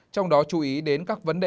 trong đó chú ý đến các vấn đề